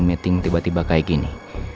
meeting tiba tiba kayak gini